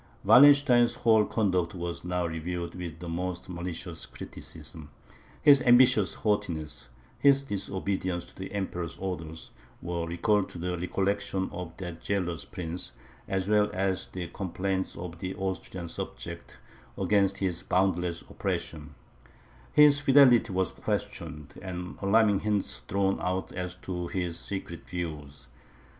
Wallenstein's whole conduct was now reviewed with the most malicious criticism; his ambitious haughtiness, his disobedience to the Emperor's orders, were recalled to the recollection of that jealous prince, as well as the complaints of the Austrian subjects against his boundless oppression; his fidelity was questioned, and alarming hints thrown out as to his secret views.